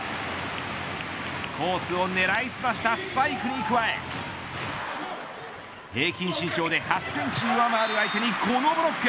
コースを狙いすましたスパイクに加え平均身長で８センチ上回る相手にこのブロック。